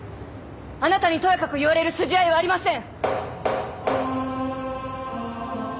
あなたにとやかく言われる筋合いはありません。